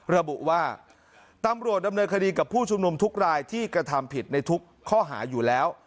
ระบุว่าตำรวจดำเนินคดีกับผู้ชุมนุมทุกรายที่กระทำผิดในทุกข้อหาอยู่แล้ว